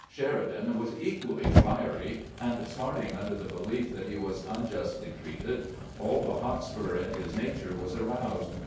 Sheri dan was equally fiery, and, smarting under the belief that he was unjustly treated, all the hotspur in his nature was aroused.